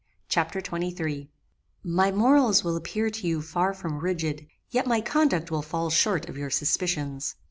Chapter XXIII "My morals will appear to you far from rigid, yet my conduct will fall short of your suspicions.